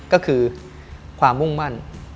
ก็คือความมุ่งมั่น